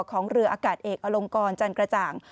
ของเรืออากาศเอกอลงกรจันกระจ่าง